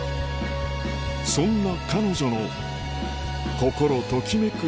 そんな彼女の心ときめく